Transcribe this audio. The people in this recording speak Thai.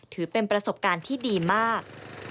ถือเป็นประสบการณ์ที่ดีมาก